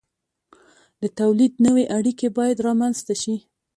د تولید نوې اړیکې باید رامنځته شي.